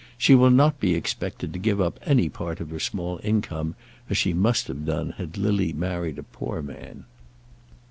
She will not be expected to give up any part of her small income, as she must have done had Lily married a poor man."